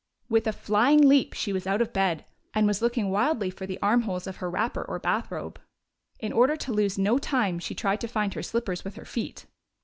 With a flying leap she was out of bed, and was looking wildly for the armholes of her wrapper or bath robe. In order to lose no time, she tried to find her slippers with her feet.